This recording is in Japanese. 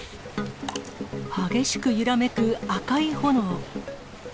激しく揺らめく赤い炎。